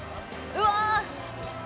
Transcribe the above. うわ！